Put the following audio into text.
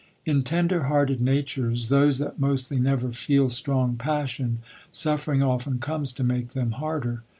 In tender hearted natures, those that mostly never feel strong passion, suffering often comes to make them harder.